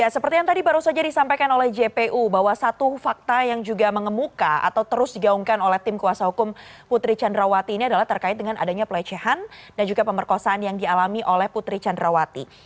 seperti yang tadi baru saja disampaikan oleh jpu bahwa satu fakta yang juga mengemuka atau terus digaungkan oleh tim kuasa hukum putri candrawati ini adalah terkait dengan adanya pelecehan dan juga pemerkosaan yang dialami oleh putri candrawati